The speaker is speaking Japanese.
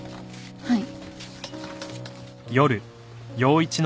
はい。